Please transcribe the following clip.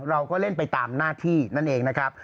เราก็เล่นไปตามหน้าที่นั่นเองนะครับ